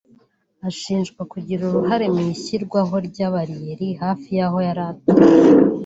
Ashinjwa kugira uruhare mu ishyirwaho rya bariyere hafi y’aho yari atuye